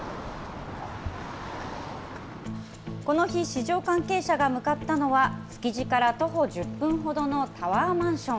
この日、市場関係者が向かったのは、築地から徒歩１０分ほどのタワーマンション。